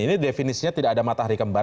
ini definisinya tidak ada matahari kembar